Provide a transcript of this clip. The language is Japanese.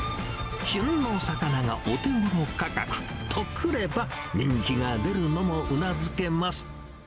旬の魚がお手ごろ価格、とくれば、人気が出るのもうなずけます。